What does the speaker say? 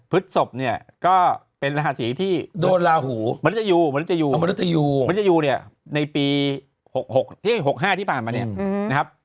พฤทธิ์ศพเนี่ยก็เป็นราศีที่โดนลาหูมนุษยูมนุษยูมนุษยูเนี่ยในปี๖๕ที่ผ่านมาเนี่ยนะครับ